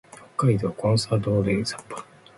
北海道コンサドーレ札幌